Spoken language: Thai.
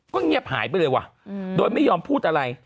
ก็เงียบหายไปเลยว่ะโดยไม่ยอมพูดอะไร